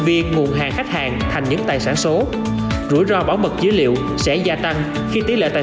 viên nguồn hàng khách hàng thành những tài sản số rủi ro bảo mật dữ liệu sẽ gia tăng khi tỷ lệ tài